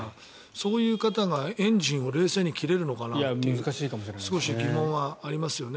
そういう方がエンジンを冷静に切れるのかなっていう少し疑問はありますよね。